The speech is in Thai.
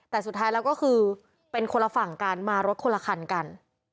แต่สุดท้ายแล้วก็คือเป็นคนละฝั่งกันมารถคนละคันกัน